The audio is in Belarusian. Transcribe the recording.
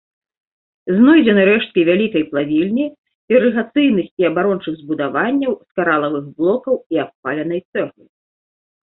Знойдзены рэшткі вялікай плавільні, ірыгацыйных і абарончых збудаванняў з каралавых блокаў і абпаленай цэглы.